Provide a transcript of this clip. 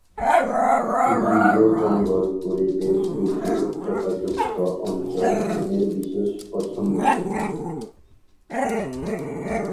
ভিজে জঙ্গল পরিবেশে নিচু উচ্চতা যুক্ত অঞ্চল এদের বিশেষ পছন্দের।